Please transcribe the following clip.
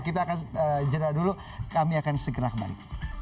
kita akan jeda dulu kami akan segera kembali